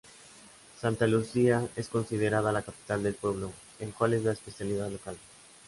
Santa Luzia es considerada la capital del pulpo, el cual es la especialidad local.